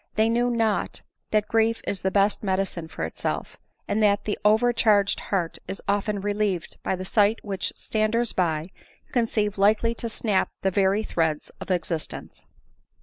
They knew not that grief is the best medicine for itself ; and that the over charged heart is often relieved by. the sight which standers by conceive likely to snap the very threads of existence.